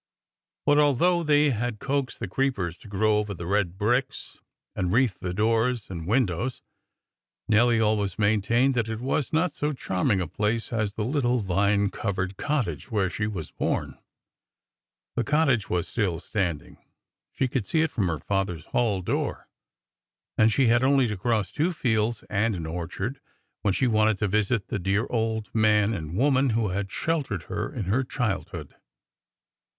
But although they had coaxed the creepers to grow over the red bricks, and wreathe the doors and windows, Nelly always maintained that it was not so charming a place as the little vine covered cottage where she was born. The cottage was still standing; she could see it from her father's hall door. And she had only to cross two fields and an orchard when she wanted to visit the dear old man and woman who had sheltered her in her childhood.